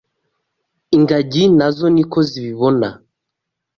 ingagi na zo ni ko zibibona